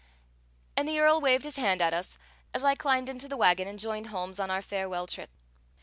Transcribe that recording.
And the Earl waved his hand at us, as I climbed into the wagon and joined Holmes on our farewell trip.